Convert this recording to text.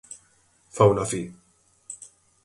Fauna Fl.